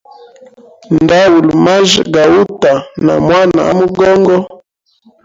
Ndauli majya gauta na mwana amogongo.